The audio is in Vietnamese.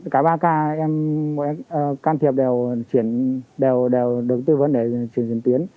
cả ba ca em can thiệp đều được tư vấn để chuyển diễn tuyến